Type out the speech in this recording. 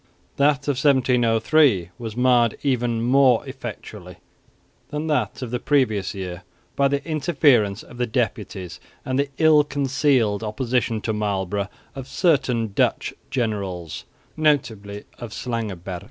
That of 1703 was marred even more effectually than that of the previous year by the interference of the deputies, and the ill concealed opposition to Marlborough of certain Dutch generals, notably of Slangenburg.